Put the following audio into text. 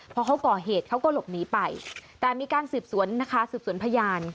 พอเขาก่อเหตุเขาก็หลบหนีไปแต่มีการสืบสวนนะคะสืบสวนพยาน